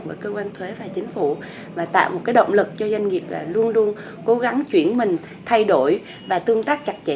bởi cơ quan thuế và chính phủ và tạo một động lực cho doanh nghiệp luôn luôn cố gắng chuyển mình thay đổi và tương tác chặt chẽ